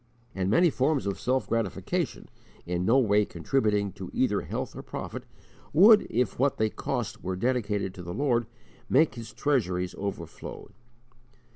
And many forms of self gratification, in no way contributing to either health or profit, would, if what they cost were dedicated to the Lord, make His treasuries overflow.